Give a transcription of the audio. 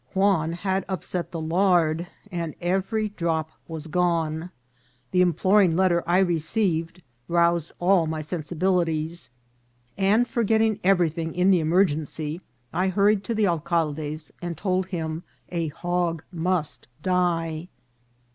Juan had upset the lard, and every drop was gone. The imploring letter J received roused all my sensibilities ; and, forgetting everything in the emergen cy, I hurried to the alcalde's, and told him a hog must die.